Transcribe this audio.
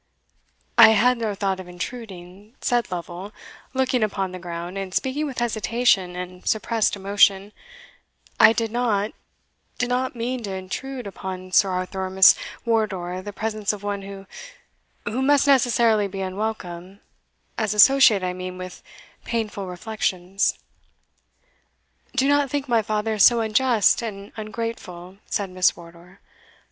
"I had no thought of intruding," said Lovel, looking upon the ground, and speaking with hesitation and suppressed emotion; "I did not did not mean to intrude upon Sir Arthur or Miss Wardour the presence of one who who must necessarily be unwelcome as associated, I mean, with painful reflections." "Do not think my father so unjust and ungrateful," said Miss Wardour.